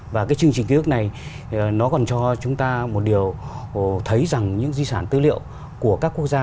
và cái chương trình ký ức này nó còn cho chúng ta một điều thấy rằng những di sản tư liệu của các quốc gia